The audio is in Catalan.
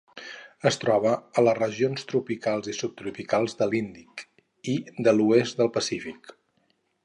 Es troba a les regions tropicals i subtropicals de l'Índic i de l'oest del Pacífic.